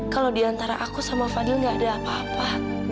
kalau diantara aku sama fadil nggak ada apa apa